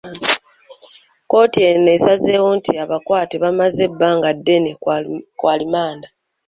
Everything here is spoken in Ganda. Kkooti eno esazeewo nti abakwate bamaze ebbanga ddene ku alimanda.